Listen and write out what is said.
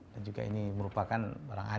dan juga ini merupakan barang anda